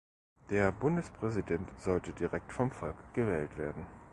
Der Bundespräsident sollte direkt vom Volk gewählt werden.